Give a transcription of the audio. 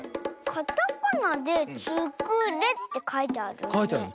カタカナで「ツクレ」ってかいてあるね。